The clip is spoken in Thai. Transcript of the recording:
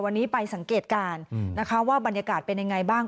วันนี้ไปสังเกตการณ์นะคะว่าบรรยากาศเป็นยังไงบ้าง